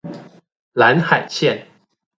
藍海線